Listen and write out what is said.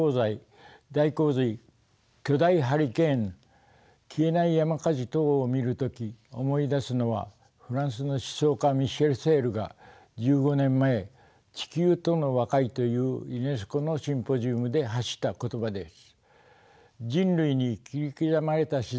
大洪水巨大ハリケーン消えない山火事等を見る時思い出すのはフランスの思想家ミシェル・セールが１５年前地球との和解というユネスコのシンポジウムで発した言葉です。